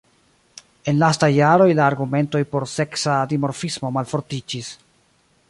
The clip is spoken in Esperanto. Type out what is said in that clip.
En lastaj jaroj la argumentoj por seksa dimorfismo malfortiĝis.